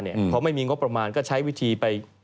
พอไม่มีงบประมาณก็ใช้วิธีไป